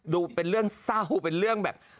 ดูเป็นเรื่องเศร้าเป็นเรื่องแบบ